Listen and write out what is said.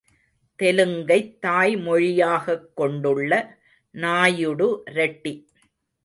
தெலுங்கைத் தாய்மொழியாகக்கொண்டுள்ள நாயுடு, ரெட்டி